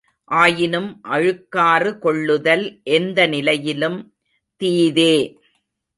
ஆயினும் அழுக்காறு கொள்ளுதல் எந்த நிலையிலும் தீதே.